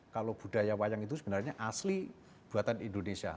kalau budaya wayang itu sebenarnya asli buatan indonesia